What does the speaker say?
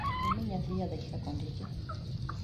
Imi nyathi yedhegi kaka ondiki